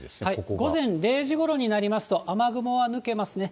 午前０時ごろになりますと、雨雲は抜けますね。